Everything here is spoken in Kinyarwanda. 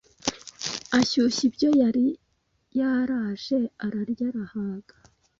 ashyushya ibyo yari yaraje ararya arahaga